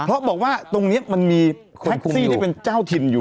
เพราะบอกว่าตรงนี้มันมีแท็กซี่ที่เป็นเจ้าถิ่นอยู่